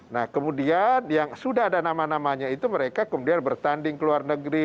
nah kemudian yang sudah ada nama namanya itu mereka kemudian bertanding ke luar negeri